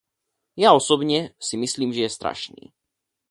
Já osobně si myslím, že je strašný.